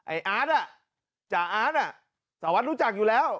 อาร์ตจ่าอาร์ตสารวัตรรู้จักอยู่แล้ว